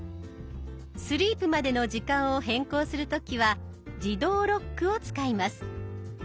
スリープまでの時間を変更する時は「自動ロック」を使います。